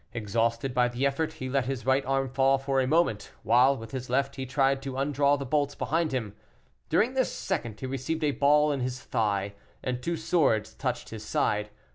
Exhausted by the effort, he let his right arm fall for a moment, while with his left he tried to undraw the bolts behind him. During this second, he received a ball in his thigh, and two swords touched his side.